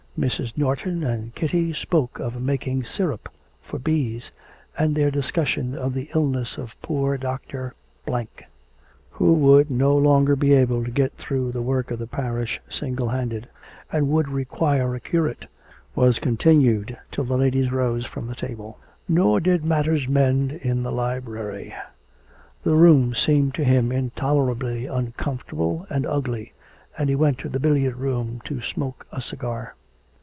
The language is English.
Mrs. Norton and Kitty spoke of making syrup for bees; and their discussion of the illness of poor Dr. , who would no longer be able to get through the work of the parish single handed, and would require a curate, was continued till the ladies rose from the table. Nor did matters mend in the library. The room seemed to him intolerably uncomfortable and ugly, and he went to the billiard room to smoke a cigar.